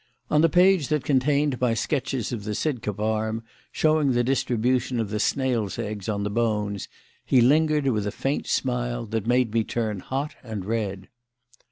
On the page that contained my sketches of the Sidcup arm, showing the distribution of the snails' eggs on the bones, he lingered with a faint smile that made me turn hot and red.